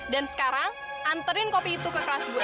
dan sekarang anterin kopi itu ke kelas gue